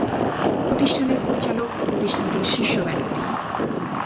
প্রতিষ্ঠানের পরিচালক প্রতিষ্ঠানটির শীর্ষব্যক্তি।